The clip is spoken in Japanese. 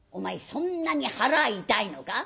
そんなに腹痛いのか？」。